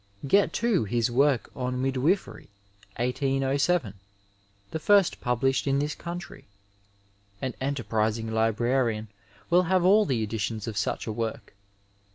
Get, too, his work on Midwifery, 1807, the first published in this country. An enterprising librarian will have all the editions of such a work.